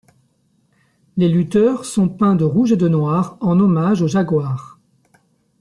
Les lutteurs sont peints de rouge et de noir en hommage au jaguar.